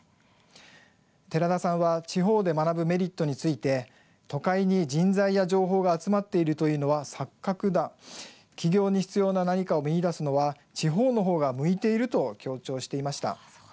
寺田さんは地方で学ぶメリットについて都会に人材や情報が集まっているというのは錯覚だ起業に必要な何かを見いだすのは地方の方が向いていると強調していました。